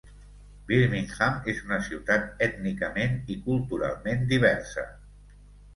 Birmingham és una ciutat ètnicament i culturalment diversa.